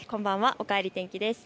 おかえり天気です。